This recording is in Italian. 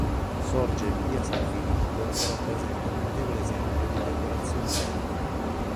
Sorge in Via San Filippo e rappresenta un notevole esempio di decorazione barocca.